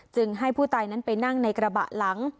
ให้ผู้ตายนั้นไปนั่งในกระบะหลัง